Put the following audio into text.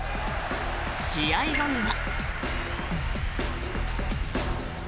試合後には。